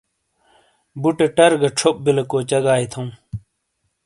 بُٹے ٹَر گہ چھوپ بِیلے کو چگائیے تھَوں۔